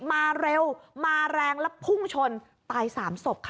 มาเร็วมาแรงแล้วพุ่งชนตายสามศพค่ะ